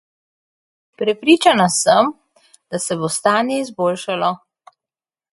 Prepričana sem, da se bo stanje izboljšalo.